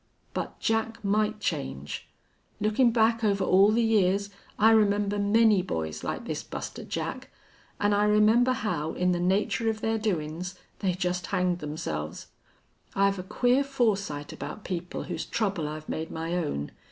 But Jack might change! Lookin' back over all the years I remember many boys like this Buster Jack, an' I remember how in the nature of their doin's they just hanged themselves. I've a queer foresight about people whose trouble I've made my own.